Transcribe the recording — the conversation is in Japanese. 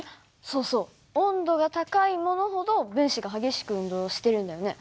そうそう温度が高いものほど分子が激しく運動してるんだよね。